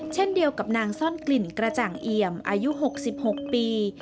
เช่นเดียวกับนางซ่อนกลิ่นกระจ่างเอี่ยมอายุ๖๖ปี